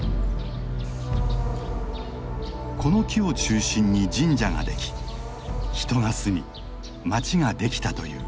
この木を中心に神社ができ人が住み町ができたという。